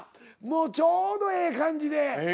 もうちょうどええ感じで。